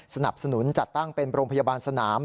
สนับสนุนจัดตั้งเป็นโรงพยาบาลสนาม